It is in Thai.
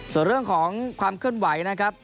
ส่วนเรื่องของความเคลื่อนไหวนะครับ